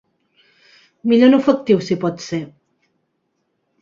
Millor en efectiu, si pot ser.